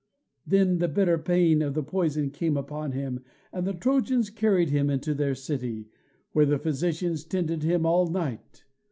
Then the bitter pain of the poison came upon him, and the Trojans carried him into their city, where the physicians tended him all night.